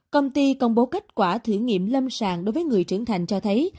công ty công bố kết quả thử nghiệm lâm sàng đối với người trưởng thành cho thấy